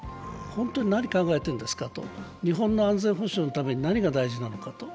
本当に何考えてるんですかと、日本の安全保障のために何が大事なのかと。